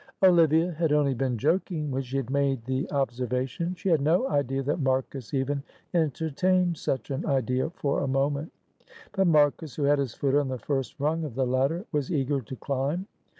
Olivia had only been joking when she had made the observation. She had no idea that Marcus even entertained such an idea for a moment, but Marcus, who had his foot on the first rung of the ladder, was eager to climb.